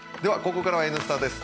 ここからは「Ｎスタ」です。